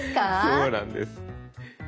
そうなんです。